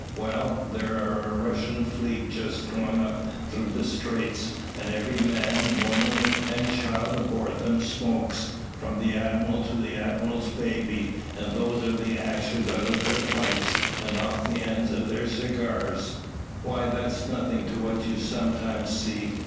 "Well, there's a Russian fleet just gone up through the Straits, and every man, woman, and child aboard them smokes, from the admiral to the admiral's baby, and those are the ashes out of their pipes and off the ends of their cigars. Why, that's nothing to what you sometimes see.